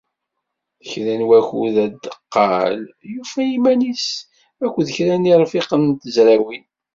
Kra n wakud ar deqqal, yufa iman-is akked kra n yirfiqen n tezrawin.